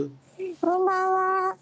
こんばんは。